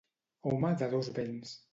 Home de dos vents.